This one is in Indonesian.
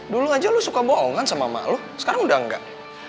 dulu aja lo suka bohongan sama emak lo sekarang udah enggak